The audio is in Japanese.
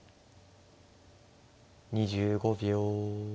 ２５秒。